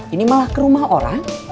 ini malah ke rumah orang